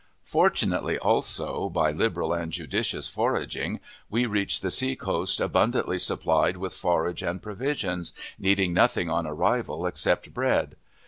Fortunately, also, by liberal and judicious foraging, we reached the sea coast abundantly supplied with forage and provisions, needing nothing on arrival except bread.